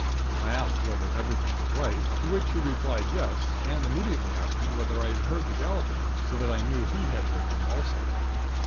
I asked whether everything was right; to which he replied yes, and immediately asked me whether I had heard the galloping, so that I knew he had heard them also.